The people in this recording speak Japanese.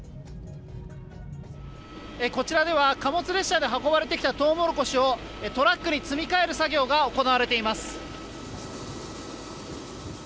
こちらでは貨物列車で運ばれてきたトウモロコシをトラックに積み替える作業が行われています。